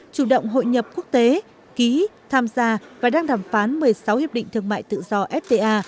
chủ động hội nhập quốc tế ký tham gia và đang đàm phán một mươi sáu hiệp định thương mại tự do fta